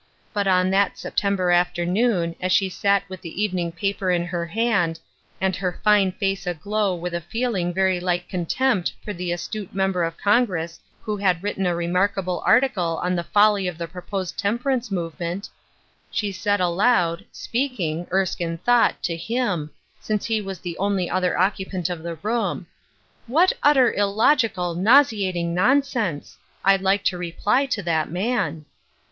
But on that September afternoon, as she sat with the evening paper in her hand, and her fine face aglow with a feeling very like contempt for the astute member of Congress who had written a remarkable article on the folly of the proposed temperance movement, she said aloud, speaking, Erskine thought, to him, since he was the only other occu pant of the room :" What utter illogical, nauseating nonsense ! I'd like to reply to that man